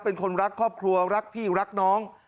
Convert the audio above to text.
เป็นคนรักครอบครัวรักพี่รักน้อง